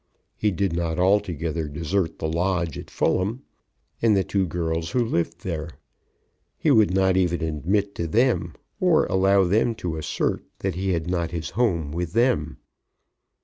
He did not altogether desert the lodge at Fulham, and the two girls who lived there. He would not even admit to them, or allow them to assert that he had not his home with them.